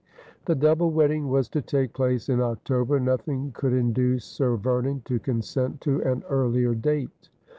The double wedding was to take place in October. Nothing could induce Sir Vernon to consent to an earlier date.